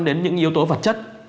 đến những yếu tố vật chất